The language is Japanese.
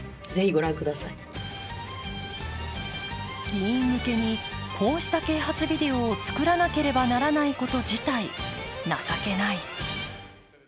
議員向けにこうした啓発ビデオを作らなければならないこと自体、情けない。